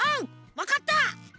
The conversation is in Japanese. わかった！